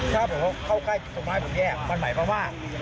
ถ้าผมเข้าใกล้ตรงไม้ผมแยกมันหมายความว่า